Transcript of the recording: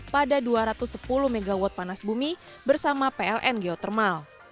pada dua ratus sepuluh mw panas bumi bersama pln geothermal